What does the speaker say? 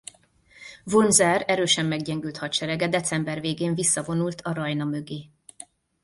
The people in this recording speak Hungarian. Wurmser erősen meggyengült hadserege december végén visszavonult a Rajna mögé.